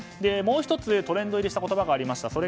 もう１つ、トレンド入りした言葉がありました。